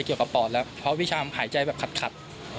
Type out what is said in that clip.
เกี่ยวกับปอดแล้วเพราะพิชามหายใจแบบขัด